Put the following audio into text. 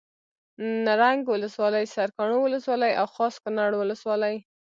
نرنګ ولسوالي سرکاڼو ولسوالي او خاص کونړ ولسوالي